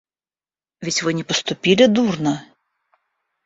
Ведь вы не поступили дурно?